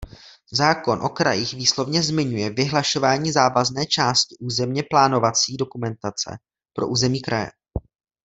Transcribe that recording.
Zákon o krajích výslovně zmiňuje vyhlašování závazné části územně plánovací dokumentace pro území kraje.